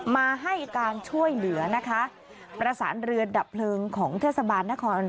มาให้การช่วยเหลือนะคะประสานเรือดับเพลิงของเทศบาลนคร